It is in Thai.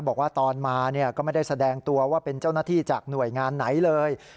บอกว่าตอนมาก็ไม่ได้แสดงตัวว่าเป็นเจ้าหน้าที่จากหน่วยงานไหนเลย